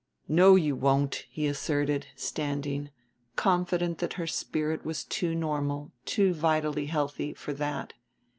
"No, you won't," he asserted, standing, confident that her spirit was too normal, too vitally healthy, for that.